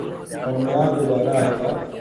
اور نہ دوبارہ آئے گا۔